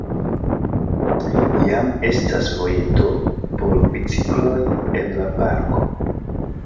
Jam estas vojeto por bicikloj en la parko.